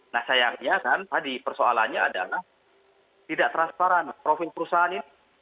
nah sayangnya kan tadi persoalannya adalah tidak transparan profil perusahaan ini